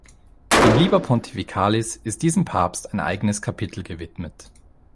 Im "Liber Pontificalis" ist diesem Papst ein eigenes Kapitel gewidmet.